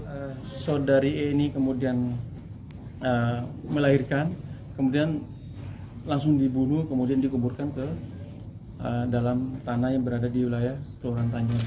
jadi saudari e ini kemudian melahirkan kemudian langsung dibunuh kemudian dikuburkan ke dalam tanah yang berada di wilayah kelurahan tanjung